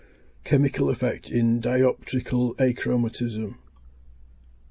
CHEMICAL EFFECT IN DIOPTRICAL ACHROMATISM.